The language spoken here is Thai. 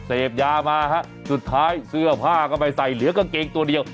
เสพยามาฮะสุดท้ายเสื้อผ้าก็ไม่ใส่เหลือกางเกงตัวเดียว